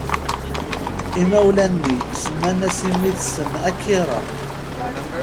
Imawlan-nni semma-as i mmi-tsen Akira.